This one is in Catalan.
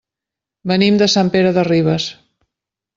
Venim de Sant Pere de Ribes.